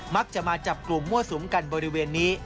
มักจะมาจับกลุ่มมั่วสุมกันบริเวณนี้